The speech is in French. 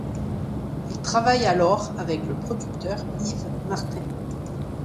Il travaille alors avec le producteur Yves Martin.